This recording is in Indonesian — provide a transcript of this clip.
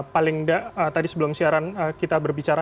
paling tidak tadi sebelum siaran kita berbicara